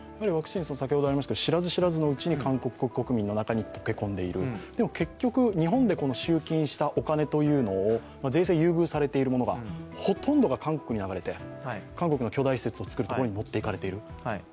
知らず知らずのうちに韓国国民の中に溶け込んでいる、でも結局、日本で集金したお金を、税制が優遇されているものが、ほとんどが韓国に流れて、韓国の巨大施設を作るところに持っていかれている。